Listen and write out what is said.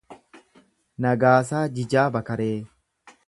Nagaasaa Jijaa Bakaree